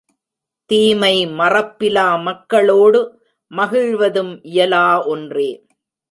தீமை மறப்பிலா மக்க ளோடு மகிழ்வதும் இயலா ஒன்றே!